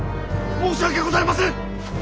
申し訳ございません！